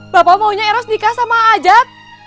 bapak maunya eros nikah sama ajat